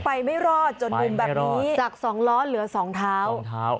ไปไม่รอดจนมุมแบบนี้จากสองล้อเหลือสองเท้า